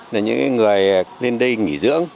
là những người lên đây nghỉ dưỡng